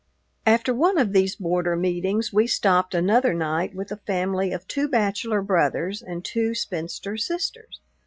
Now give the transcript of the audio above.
After one of these border meetings we stopped another night with a family of two bachelor brothers and two spinster sisters.